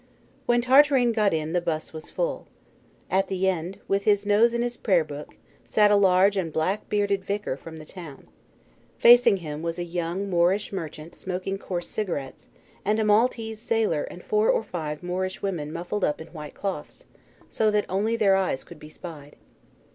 When Tartarin got in the 'bus was full. At the end, with his nose in his prayer book, sat a large and black bearded vicar from town; facing him was a young Moorish merchant smoking coarse cigarettes, and a Maltese sailor and four or five Moorish women muffled up in white cloths, so that only their eyes could be spied.